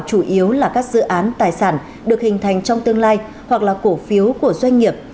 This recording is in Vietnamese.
chủ yếu là các dự án tài sản được hình thành trong tương lai hoặc là cổ phiếu của doanh nghiệp